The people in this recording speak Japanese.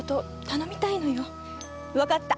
わかった！